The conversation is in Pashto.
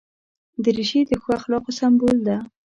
دریشي د ښو اخلاقو سمبول ده.